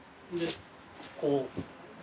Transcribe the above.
こう。